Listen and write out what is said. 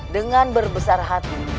dengan berbesar hati